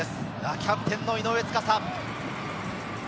キャプテンは井上斗嵩。